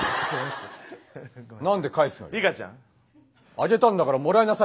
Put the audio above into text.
あげたんだからもらいなさいよ。